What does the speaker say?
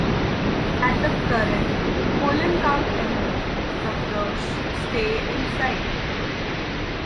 At the current pollen count allergy sufferers should stay inside.